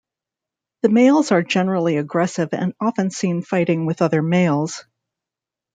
The males are generally aggressive and often seen fighting with other males.